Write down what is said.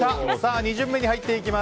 ２巡目に入っていきます。